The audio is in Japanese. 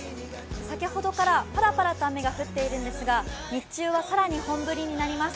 先ほどからぱらぱらと雨が降っているんですが、日中は、更に本降りになります。